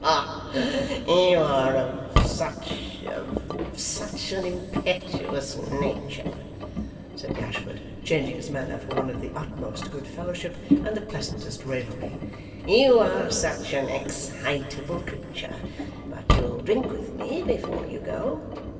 'Ha ha ha! You are of such of such an impetuous nature,' said Gashford, changing his manner for one of the utmost good fellowship and the pleasantest raillery; 'you are such an excitable creature but you'll drink with me before you go?